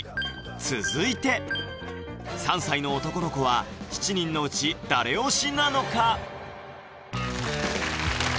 続いて３歳の男の子は７人のうち誰推しなのか？